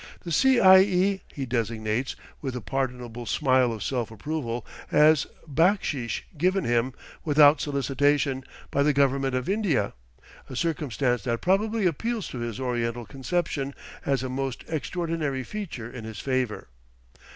The C. I. E. he designates, with a pardonable smile of self approval, as "backsheesh" given him, without solicitation, by the government of India; a circumstance that probably appeals to his Oriental conception as a most extraordinary feature in his favor.